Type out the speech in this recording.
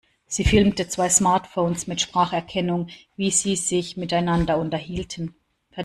Sie filmte zwei Smartphones mit Spracherkennung, wie sie sich miteinander unterhielten.